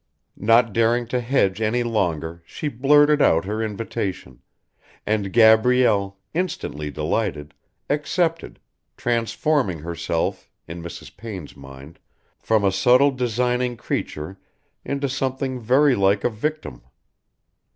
Not daring to hedge any longer she blurted out her invitation, and Gabrielle, instantly delighted, accepted, transforming herself, in Mrs. Payne's mind from a subtle designing creature into something very like a victim.